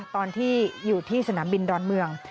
ตอนที่อยู่ที่สนามบินดอนเมือง